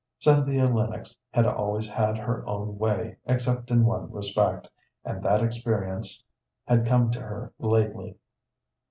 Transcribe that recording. Cynthia Lennox had always had her own way except in one respect, and that experience had come to her lately.